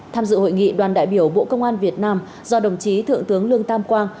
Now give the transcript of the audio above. tham dự hội nghị đoàn đại biểu bộ công an việt nam do đồng chí thượng tướng lương tam quang